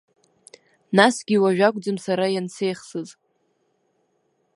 Насгьы уажәакәӡам сара иансеихсыз.